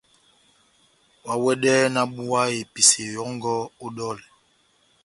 Oháwɛdɛhɛ nahábuwa episeyo yɔngɔ ó dɔlɛ !